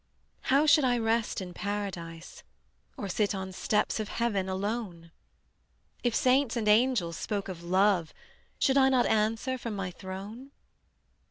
How should I rest in Paradise, Or sit on steps of Heaven alone? If Saints and Angels spoke of love Should I not answer from my throne?